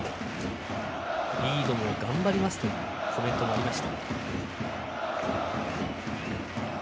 リードも頑張りますとコメントもあります。